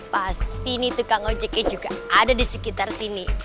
pasti nih tukang ojeknya juga ada di sekitar sini